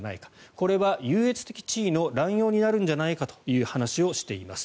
これは優越的地位の乱用になるんじゃないかという話をしています。